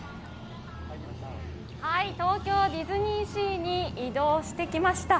東京ディズニーシーに移動してきました。